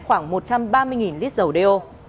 khoảng một trăm ba mươi lít dầu đeo